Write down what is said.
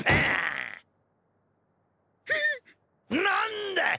何だ？